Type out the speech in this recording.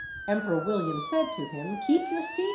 Emperor William said to him, " Keep your seat.